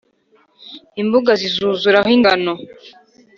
Imbuga zizuzuraho ingano,